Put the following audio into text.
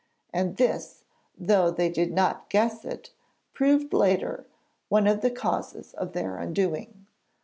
And this, though they did not guess it, proved later one of the causes of their undoing.